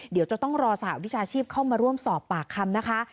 เดี๋ยวจะต้องรอสหวิชาชีพเข้ามาร่วมสอบปากคำนะคะ